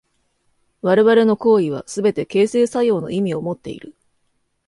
我々の行為はすべて形成作用の意味をもっている。